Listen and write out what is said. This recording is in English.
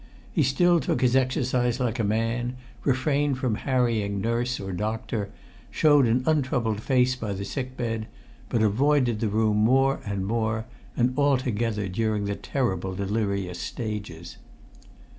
He still took his exercise like a man, refrained from harrying nurse or doctor, showed an untroubled face by the sick bed, but avoided the room more and more, and altogether during the terrible delirious stages.